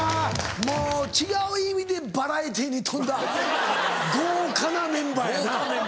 もう違う意味でバラエティーに富んだ豪華なメンバーやな。